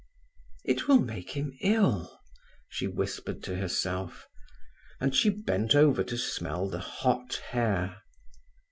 "It will make him ill," she whispered to herself, and she bent over to smell the hot hair.